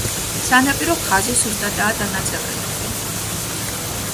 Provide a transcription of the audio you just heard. სანაპირო ხაზი სუსტადაა დანაწევრებული.